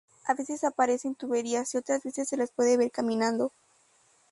A veces aparece en tuberías, y otras veces se las puede ver caminando.